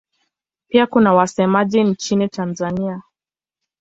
Pia kuna wasemaji nchini Tanzania.